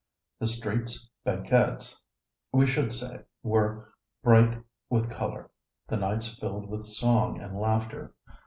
The streets, banquettes, we should say, were bright with color, the nights filled with song and laughter.